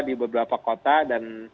di beberapa kota dan